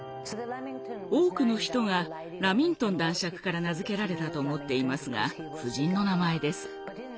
多くの人がラミントン男爵から名付けられたと思っていますが夫人の名前です。